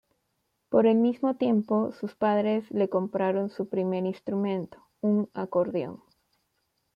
Por el mismo tiempo, sus padres le compraron su primer instrumento, un acordeón.